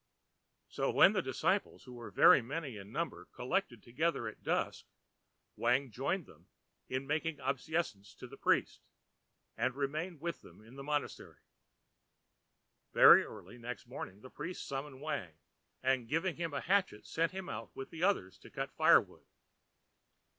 So when the disciples, who were very many in number, collected together at dusk, Wang joined them in making obeisance to the priest, and remained with them in the monastery. Very early next morning the priest summoned Wang, and giving him a hatchet sent him out with the others to cut firewood.